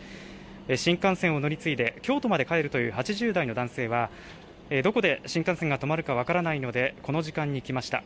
新幹線を乗り継いで、京都まで帰るという８０代の男性は、どこで新幹線が止まるか分からないので、この時間に来ました。